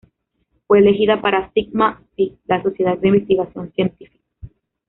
Fue elegida para Sigma Xi, la Sociedad de Investigación Científica.